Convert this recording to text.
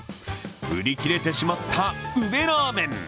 売り切れてしまった宇部ラーメン